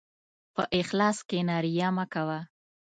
په اخلاص کښېنه، ریا مه کوه.